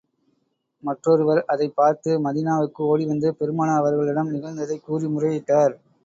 மற்றொருவர், அதைப் பார்த்து மதீனாவுக்கு ஓடி வந்து, பெருமானார் அவர்களிடம் நிகழ்ந்ததைக் கூறி முறையிட்டார்.